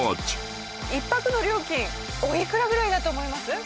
１泊の料金おいくらぐらいだと思います？